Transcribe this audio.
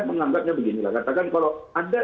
menganggapnya beginilah katakan kalau ada